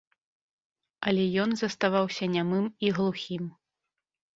Але ён заставаўся нямым і глухім.